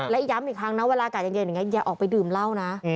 และย้ำอีกครั้งนะเวลาอากาศเย็นอย่างนี้อย่าออกไปดื่มเหล้านะ